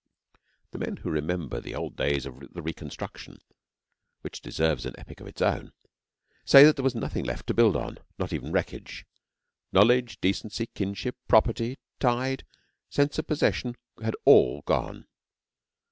The men who remember the old days of the Reconstruction which deserves an epic of its own say that there was nothing left to build on, not even wreckage. Knowledge, decency, kinship, property, tide, sense of possession had all gone.